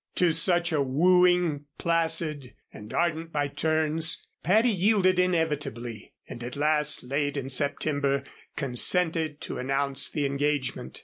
To such a wooing, placid, and ardent by turns, Patty yielded inevitably, and at last, late in September, consented to announce the engagement.